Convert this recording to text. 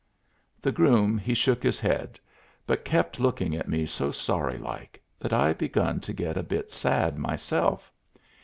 The groom he shook his head, but kept looking at me so sorry like that I begun to get a bit sad myself.